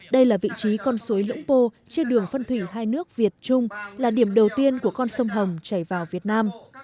đây là vị trí con suối lũng pô chưa đường phân thủy hai nước việt trung là điểm đầu tiên của con sông hồng chảy vào việt nam